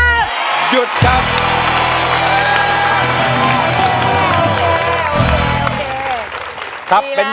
หยุดครับ